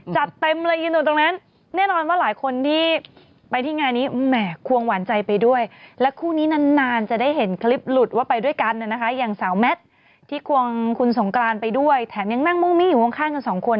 แถมยังนั่งมุ่งมี่อยู่ข้างกันสองคน